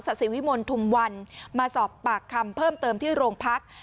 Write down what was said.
สิวิมลทุมวันมาสอบปากคำเพิ่มเติมที่โรงพัก